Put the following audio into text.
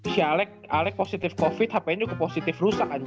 si alek positif covid hpnya juga positif rusak anjing